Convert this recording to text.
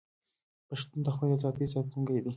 پښتون د خپلې ازادۍ ساتونکی دی.